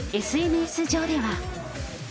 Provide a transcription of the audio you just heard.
ＳＮＳ上では。